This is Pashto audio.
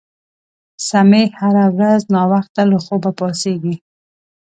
سمیع هره ورځ ناوخته له خوبه پاڅیږي